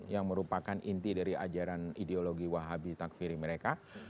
yang merupakan inti dari ajaran ideologi wahabi takfiri mereka